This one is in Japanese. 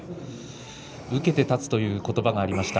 受けて立つということばがありました。